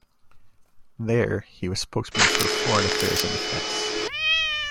There he was spokesman for foreign affairs and defence.